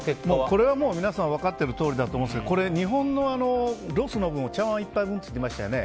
これは皆さん分かっているとおりだと思いますけど日本のロスの分を茶碗１杯分といいましたね。